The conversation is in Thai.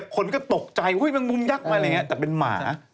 คนก็ตกใจมันมุมยักษ์มาอะไรอย่างนี้แต่เป็นหมา